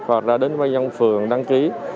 hoặc ra đến văn phường đăng ký